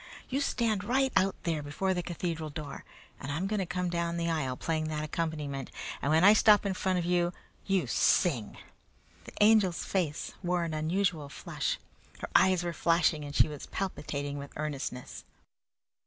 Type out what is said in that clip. You stand right out there before the cathedral door, and I'm going to come down the aisle playing that accompaniment, and when I stop in front of you you sing!" The Angel's face wore an unusual flush. Her eyes were flashing and she was palpitating with earnestness.